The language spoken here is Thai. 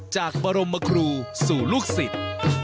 จากบรมครูสู่ลูกศิษย์